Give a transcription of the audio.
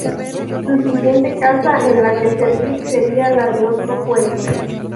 Su siguiente casa en la que servir sería la de otro juez.